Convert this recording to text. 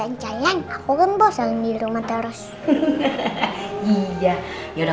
kalau yang permintaan